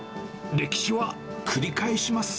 歴史は繰り返します。